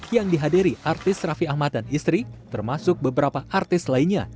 yang dihadiri artis raffi ahmad dan istri termasuk beberapa artis lainnya